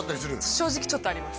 正直ちょっとあります